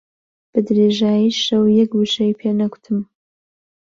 بە درێژایی شەو یەک وشەی پێ نەگوتم.